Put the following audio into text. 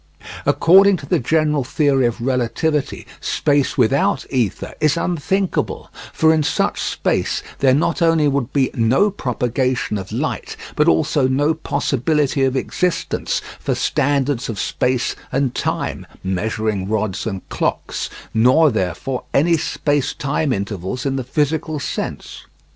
According to the general theory of relativity space without ether is unthinkable; for in such space there not only would be no propagation of light, but also no possibility of existence for standards of space and time (measuring rods and clocks), nor therefore any space time intervals in the physical sense.